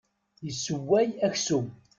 Isewway aksum.